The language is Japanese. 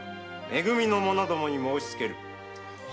め組の者どもに申しつける。